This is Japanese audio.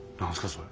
それ。